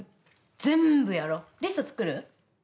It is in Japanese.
全部やろう、リスト作る？